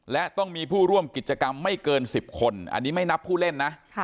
และต้องมีผู้ร่วมกิจกรรมไม่เกิน๑๐คนอันนี้ไม่นับผู้เล่นนะ